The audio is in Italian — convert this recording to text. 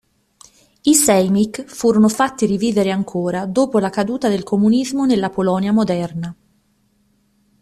I sejmik furono fatti rivivere ancora dopo la caduta del comunismo nella Polonia moderna.